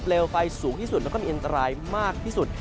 ไฟสูงที่สุดแล้วก็มีอันตรายมากที่สุด